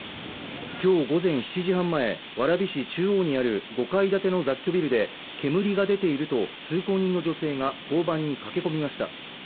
今日午前７時半前、蕨市中央にある５階建ての雑居ビルで煙が出ていると通行人の女性が交番に駆け込みました。